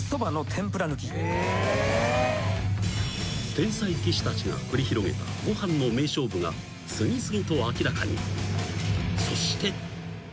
［天才棋士たちが繰り広げたごはんの名勝負が次々と明らかに］